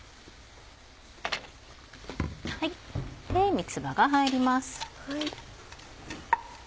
三つ葉が入ります。